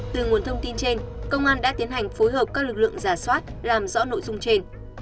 từ nguồn thông tin trên công an đã tiến hành phối hợp các lực lượng giả soát làm rõ nội dung trên